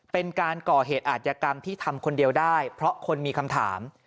เป็นการก่อเหตุอาจยกรรมที่ทำคนเดียวได้เพราะคนมีคำถาม